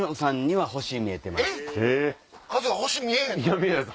はい。